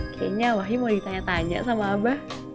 kayaknya wahi mau ditanya tanya sama abah